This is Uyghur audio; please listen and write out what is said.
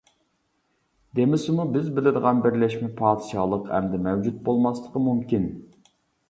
دېمىسىمۇ، بىز بىلىدىغان بىرلەشمە پادىشاھلىق ئەمدى مەۋجۇت بولماسلىقى مۇمكىن.